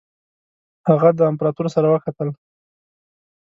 هغه د امپراطور سره وکتل.